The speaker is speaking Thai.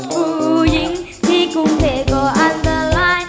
ผู้หญิงที่กรุงเทพก็อาจเจอเจอเจ้า